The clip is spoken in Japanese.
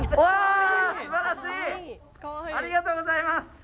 ありがとうございます！